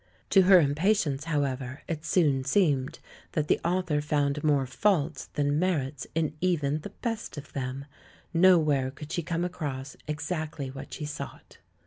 To her impatience, however, it soon seemed that the author found more faults than merits in even the best of them; nowhere could she come across exactly what she sought.